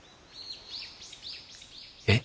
えっ？